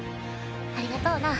ありがとうな。